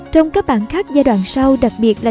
trong các bản khác giai đoạn sau đặc biệt là